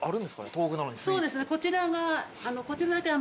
そうですねこちらが。